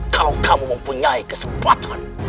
kalau kamu mempunyai kesempatan